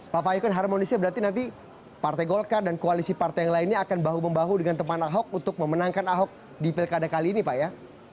pak fayukur harmonisnya berarti nanti partai golkar dan koalisi partai yang lainnya akan bahu membahu dengan teman ahok untuk memenangkan ahok di pilkada kali ini pak ya